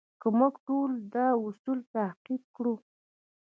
که موږ ټول دا اصول تعقیب کړو.